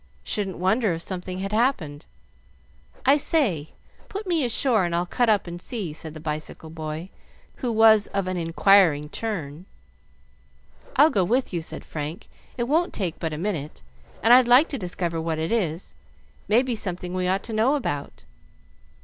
Shouldn't wonder if something had happened. I say, put me ashore, and I'll cut up and see," said the bicycle boy, who was of an inquiring turn. "I'll go with you," said Frank; "it won't take but a minute, and I'd like to discover what it is. May be something we ought to know about."